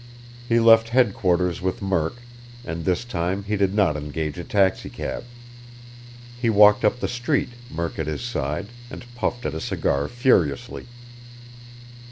He left headquarters with Murk, and this time he did not engage a taxicab. He walked up the street, Murk at his side, and puffed at a cigar furiously.